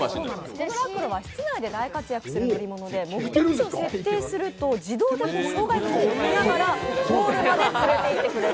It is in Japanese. このＲａｋｕＲｏは室内で大活躍する乗り物で目的地を設定すると自動で障害物をよけながらゴールまで連れていってくれる。